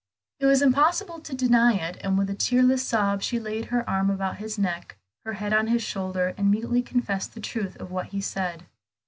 It was impossible to deny it, and with a tearless sob she laid her arm about his neck, her head on his shoulder, and mutely confessed the truth of what he said.